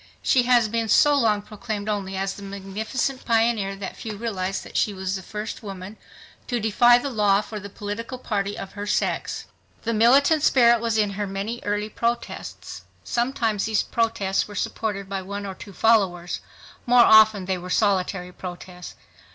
She has been so long proclaimed only as the magnificent pioneer that few realize that she was the first woman to defy the law for the political liberty of her sex. The militant spirit was in her many early protests. Sometimes these protests were supported by one or two followers; more often they were solitary protests.